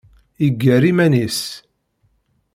Yeggar iman-is.